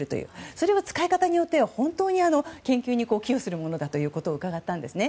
それは使い方によっては本当に研究に寄与するものだということを伺ったんですね。